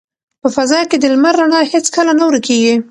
په فضا کې د لمر رڼا هیڅکله نه ورکیږي.